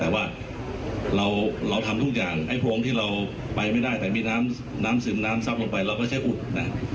แต่ว่าเราทำทุกอย่างไอ้พวงที่เราไปไม่ได้แต่มีน้ำน้ำซึมน้ำซับลงไปเราก็ใช้อุดนะ